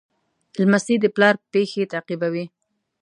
لمسی د پلار پېښې تعقیبوي.